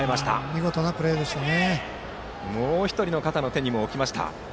見事なプレーでしたね。